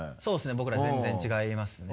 僕ら全然違いますね。